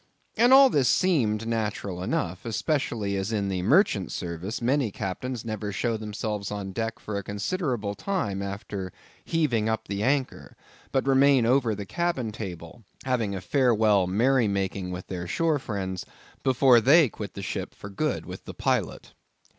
And all this seemed natural enough; especially as in the merchant service many captains never show themselves on deck for a considerable time after heaving up the anchor, but remain over the cabin table, having a farewell merry making with their shore friends, before they quit the ship for good with the pilot.